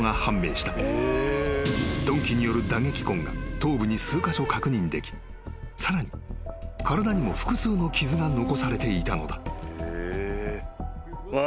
［鈍器による打撃痕が頭部に数カ所確認できさらに体にも複数の傷が残されていたのだ］